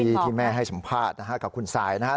นี่คือที่แม่ให้สัมภาษณ์นะครับกับคุณไซด์นะครับ